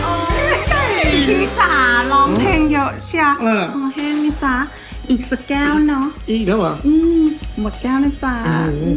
พี่จ๋าร้องเพลงเยอะเชียอีกสักแก้วเนาะอีกแล้วเหรอหมดแก้วนะจ๋า